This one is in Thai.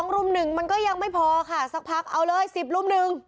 รุ่มหนึ่งมันก็ยังไม่พอค่ะสักพักเอาเลย๑๐รุ่มหนึ่ง